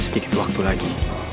sedikit waktu lagi